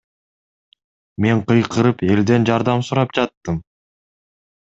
Мен кыйкырып, элден жардам сурап жаттым.